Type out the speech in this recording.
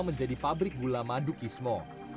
menjadi pabrik gula madukismo